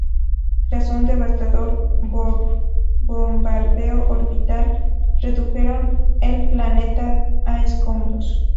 Tras un devastador bombardeo orbital redujeron el planeta a escombros.